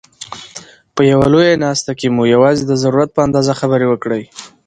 په یوه لویه ناست کښي مو یوازي د ضرورت په اندازه خبري وکړئ!